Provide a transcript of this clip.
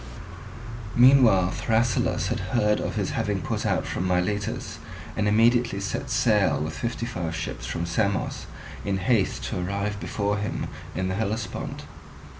Meanwhile Thrasyllus had heard of his having put out from Miletus, and immediately set sail with fifty five ships from Samos, in haste to arrive before him in the Hellespont.